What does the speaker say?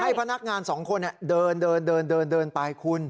ให้พนักงานสองคนเดินไปคุณ